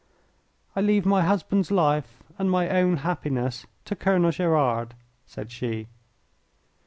"I leave my husband's life and my own happiness to Colonel Gerard," said she.